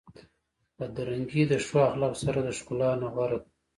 بدرنګي د ښو اخلاقو سره د ښکلا نه غوره ده.